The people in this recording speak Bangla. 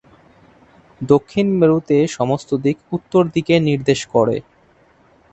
দক্ষিণ মেরুতে সমস্ত দিক উত্তর দিকে নির্দেশ করে।